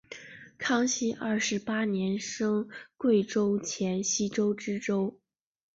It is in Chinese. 康熙二十八年升贵州黔西州知州。